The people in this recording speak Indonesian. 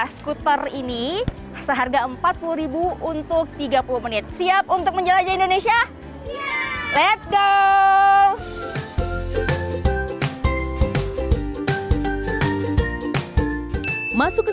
skuter ini seharga empat puluh untuk tiga puluh menit siap untuk menjelajahi indonesia let s go masuk ke